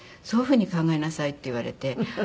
そういう風に考えなさい」って言われて。